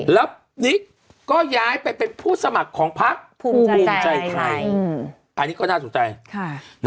แล้วนิกก็ย้ายไปเป็นผู้สมัครของพักภูมิภูมิใจไทยอันนี้ก็น่าสนใจ